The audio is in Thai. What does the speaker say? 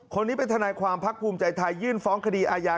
คนนี้เป็นทนายความพักภูมิใจไทยยื่นฟ้องคดีอาญา